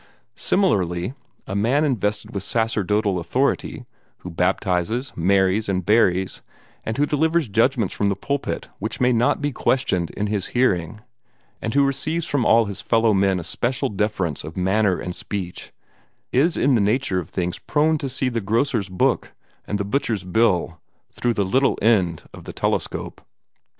Similarly, a man invested with sacerdotal authority, who baptizes, marries, and buries, who delivers judgments from the pulpit which may not be questioned in his hearing, and who receives from all his fellow men a special deference of manner and speech, is in the nature of things prone to see the grocer's book and the butcher's bill through the little end of the telescope.